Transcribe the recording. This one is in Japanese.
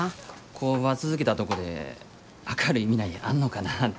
工場続けたとこで明るい未来あんのかなぁて。